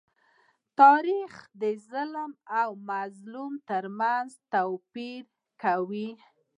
تاریخ د ظالم او مظلوم تر منځ توپير کوي.